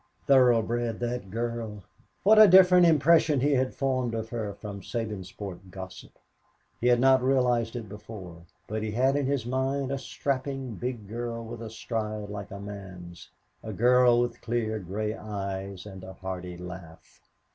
"Thoroughbred that girl." What a different impression he had formed of her from Sabinsport gossip! He had not realized it before but he had in his mind a strapping big girl with a stride like a man's, a girl with clear gray eyes and a hearty laugh.